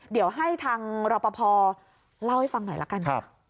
เดี๋ยวให้ทางรอปภเล่าให้ฟังหน่อยละกัน